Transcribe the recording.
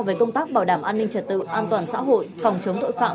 về công tác bảo đảm an ninh trật tự an toàn xã hội phòng chống tội phạm